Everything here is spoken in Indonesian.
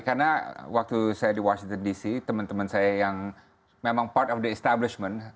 karena waktu saya di washington dc teman teman saya yang memang part of the establishment